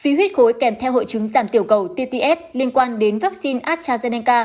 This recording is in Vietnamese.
huyết khối kèm theo hội chứng giảm tiểu cầu tts liên quan đến vaccine astrazeneca